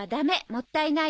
もったいない。